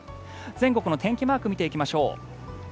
全国の天気マークを見ていきましょう。